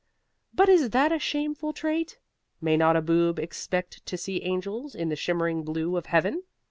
But is that a shameful trait? May not a Boob expect to see angels in the shimmering blue of heaven?